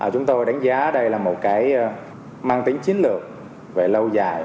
chúng tôi đánh giá đây là một cái mang tính chiến lược về lâu dài